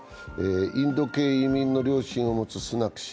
インド系移民の両親を持つスナク氏。